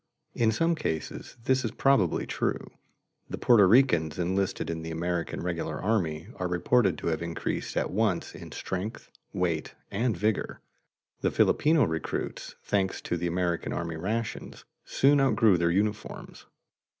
In some cases this is probably true. The Porto Ricans enlisted in the American regular army are reported to have increased at once in strength, weight, and vigor; the Filipino recruits, thanks to the American army rations, soon outgrew their uniforms.